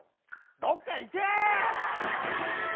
どっか行け！